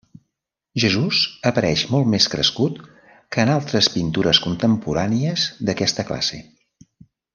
Jesús apareix molt més crescut que en altres pintures contemporànies d'aquesta classe.